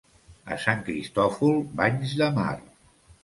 A Sant Cristòfol, banys de mar.